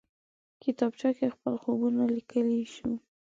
کتابچه کې خپل خوبونه لیکلی شو